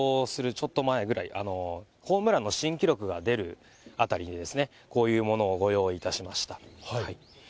ちょっと前ぐらい、ホームランの新記録が出るあたりでですね、こういうものをご用意